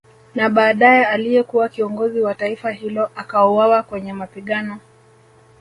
Na badae aliyekuwa kiongozi wa taifa hilo akauwawa kwenye mapigano